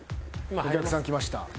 お客さん来ました。